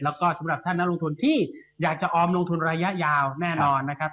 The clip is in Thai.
แล้วก็สำหรับท่านนักลงทุนที่อยากจะออมลงทุนระยะยาวแน่นอนนะครับ